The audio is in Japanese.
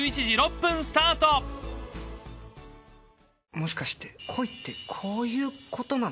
もしかして恋ってこういうことなの？